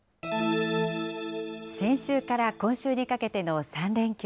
先週から今週にかけての３連休。